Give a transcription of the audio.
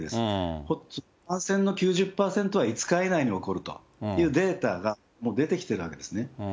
感染の９０％は５日以内に起こるというデータが、もう出てきてるわけですね。